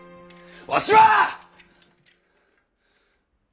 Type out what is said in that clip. わしは！